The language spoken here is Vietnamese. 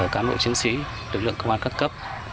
các nội chiến sĩ lực lượng công an cấp cấp